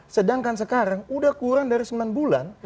sedangkan sekarang udah kurang dari sembilan bulan